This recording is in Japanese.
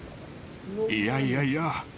いやいやいや。